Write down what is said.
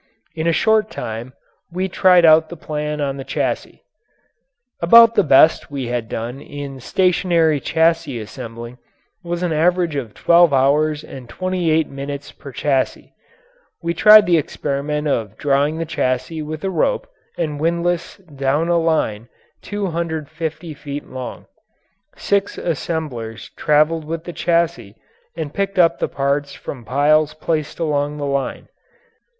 In a short time we tried out the plan on the chassis. About the best we had done in stationary chassis assembling was an average of twelve hours and twenty eight minutes per chassis. We tried the experiment of drawing the chassis with a rope and windlass down a line two hundred fifty feet long. Six assemblers traveled with the chassis and picked up the parts from piles placed along the line.